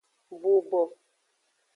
Bubo.